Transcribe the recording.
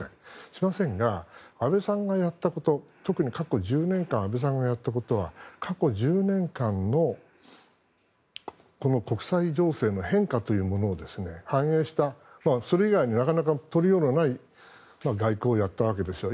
しませんが安倍さんがやったこと特に過去１０年間安倍さんがやったことは過去１０年間のこの国際情勢の変化というものを反映した、それ以外になかなか取りようがない外交をやったわけですよ。